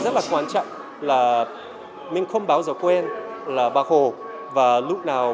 thậm chí là người sống ở việt nam